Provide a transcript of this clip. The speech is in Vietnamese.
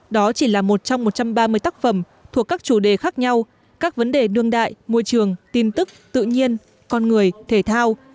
đó chỉ là một trong một trăm ba mươi tác phẩm thuộc các chủ đề khác nhau các vấn đề đương đại môi trường tin tức tự nhiên con người thể thao